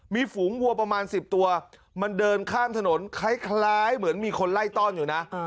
มีฝูงวัวประมาณ๑๐ตัวมันเดินข้ามถนนคล้ายเหมือนมีคนไล่ต้อนอยู่นะ